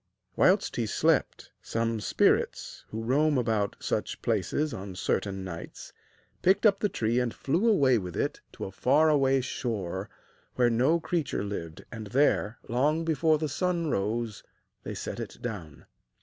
Whilst he slept, some spirits, who roam about such places on certain nights, picked up the tree and flew away with it to a far away shore where no creature lived, and there, long before the sun rose, they set it down.